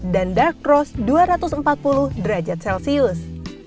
dan dark roast dua ratus empat puluh derajat celcius